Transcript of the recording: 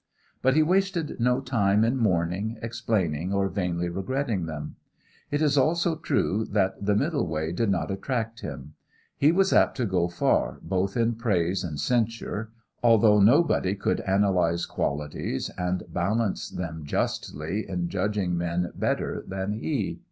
But he wasted no time in mourning, explaining, or vainly regretting them. It is also true that the middle way did not attract him. He was apt to go far, both in praise and censure, although nobody could analyze qualities and balance them justly in judging men better than he.